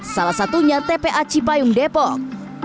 salah satunya tpa cipayung depok